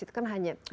itu kan hanya